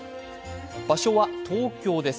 場所は東京です。